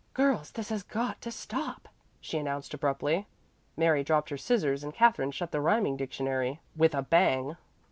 "Girls, this has got to stop," she announced abruptly. Mary dropped her scissors and Katherine shut the rhyming dictionary with a bang.